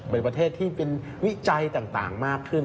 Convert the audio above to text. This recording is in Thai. เป็นประเทศที่เป็นวิจัยต่างมากขึ้น